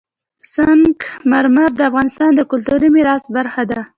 سنگ مرمر د افغانستان د کلتوري میراث برخه ده.